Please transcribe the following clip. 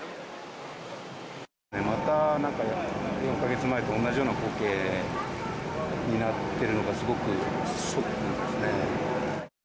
また４か月前と同じような光景になっているのがすごくショックですね。